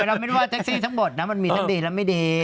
เพราะว่าเทคซีทั้งหมดมันมีทั้งดีแล้วไม่ดี